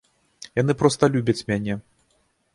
Яны проста любяць мяне.